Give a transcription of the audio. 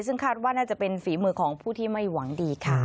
ซึ่งคาดว่าน่าจะเป็นฝีมือของผู้ที่ไม่หวังดีค่ะ